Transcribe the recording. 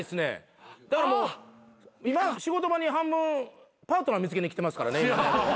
だからもう今なんて仕事場に半分パートナー見つけに来てますからね。